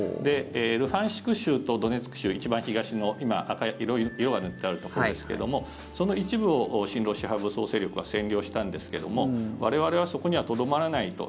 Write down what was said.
ルハンシク州とドネツク州一番東の今、赤い色が塗ってあるところですけどもその一部を親ロシア派武装勢力は占領したんですけども我々はそこにはとどまらないと。